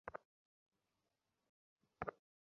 তিনি একটু উল্টোভাবে ভাবতে শুরু করলেন।